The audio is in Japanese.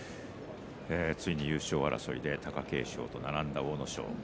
ついに優勝争いで貴景勝と並んだ阿武咲です。